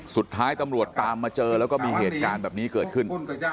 สุดท้ายตำรวจตามมาเจอแล้วก็มีเหตุการณ์แบบนี้เกิดขึ้น